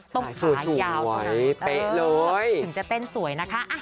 ต้องขายาวถึงจะเต้นสวยนะคะ